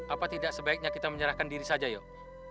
apa tidak sebaiknya kita menyerahkan diri saja yuk